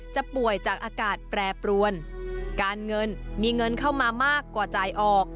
ป่วยจากอากาศแปรปรวนการเงินมีเงินเข้ามามากกว่าจ่ายออก